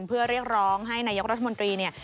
เพื่อเรียกร้องให้นายกรัฐมนตรีเนี่ย